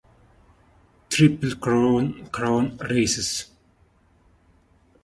Triple Crown races.